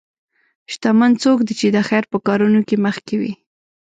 شتمن څوک دی چې د خیر په کارونو کې مخکې وي.